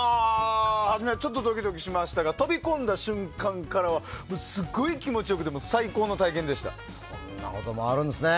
初めはちょっとドキドキしましたが飛び込んだ瞬間からはすごい気持ちよくてそんなこともあるんですね。